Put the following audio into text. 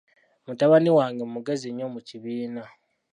Mutabani wange mugezi nnyo mu kibiina.